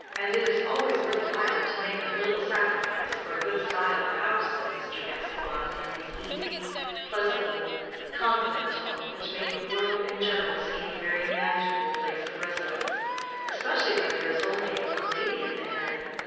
"And it is always worth while to make a little sacrifice for a good style of house," said Mr. Gascoigne, in his easy, pleasantly confident tone, which made the world in general seem a very manageable place of residence: "especially where there is only a lady at the head.